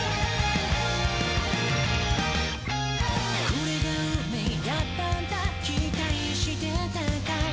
「これが運命だったんだ、期待してたかい？」